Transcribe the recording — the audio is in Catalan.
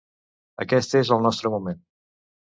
Aquest és el nostre moment.